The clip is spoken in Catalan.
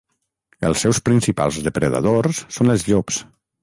Els seus principals depredadors són els llops.